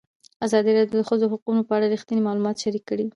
ازادي راډیو د د ښځو حقونه په اړه رښتیني معلومات شریک کړي.